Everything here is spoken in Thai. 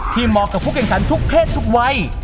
เหมาะกับผู้แข่งขันทุกเพศทุกวัย